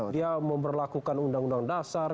dia memperlakukan undang undang dasar